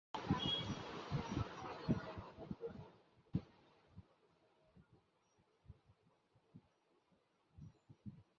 সিরিজটি প্রযোজনা করেছেন ওয়ার্নার ব্রস।